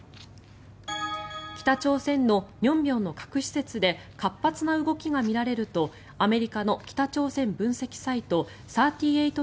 北朝鮮の寧辺の核施設で活発な動きが見られるとアメリカの北朝鮮分析サイト３８